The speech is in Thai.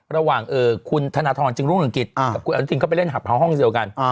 ระหว่างคุณธนทรรจงรุ่งรังกิจและคุณอนุทินชาญเข้าไปเล่นภาวะห้องโดยเดียวกัน